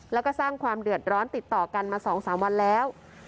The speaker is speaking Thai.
แล้วก็สร้างความเดือดร้อนติดต่อกันมา๒๓วันแล้ว